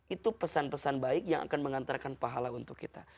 itu pesan pesan baik yang akan mengantarkan pahala untuk kita